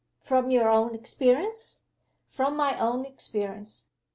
"From your own experience?" "From my own experience.